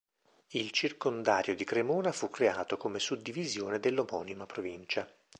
Il circondario di Cremona fu creato come suddivisione dell'omonima provincia.